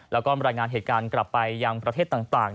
แล้วก็บรรยายงานเหตุการณ์กลับไปยังประเทศต่าง